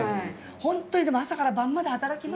ほんとにでも朝から晩まで働きましたよ。